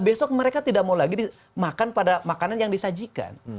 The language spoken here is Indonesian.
besok mereka tidak mau lagi makan pada makanan yang disajikan